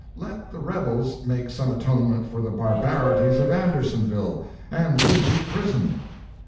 Let the rebels make some atonement for the barbarities of Andersonville and Libby prison!